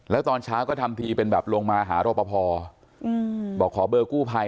แล้วตอนเช้าก็ทำทีเป็นแบบลงมาหารอปภบอกขอเบอร์กู้ภัย